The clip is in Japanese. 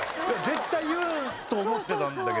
絶対言うと思ってたんだけど。